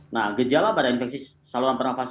nah gejala pada infeksi saluran pernafasan